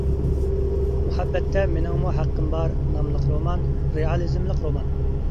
«مۇھەببەتتە مېنىڭمۇ ھەققىم بار» ناملىق رومان رېئالىزملىق رومان.